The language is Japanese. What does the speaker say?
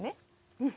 うん。